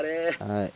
はい。